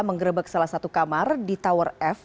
menggerebek salah satu kamar di tower f